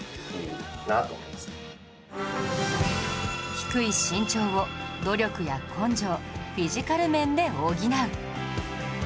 低い身長を努力や根性フィジカル面で補う